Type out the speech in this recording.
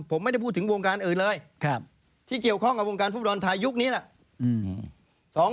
ผมไม่ได้พูดถึงวงการอื่นเลยที่เกี่ยวข้องกับวงการฟุตบอลไทยยุคนี้แหละ